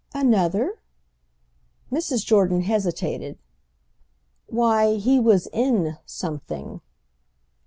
"Another?" Mrs. Jordan hesitated. "Why, he was in something."